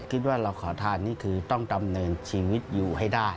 คิดว่าเราขอทานนี่คือต้องดำเนินชีวิตอยู่ให้ได้